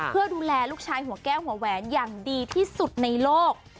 เพื่อดูแลลูกชายหัวแก้วหัวแหวนอย่างดีที่สุดในโลก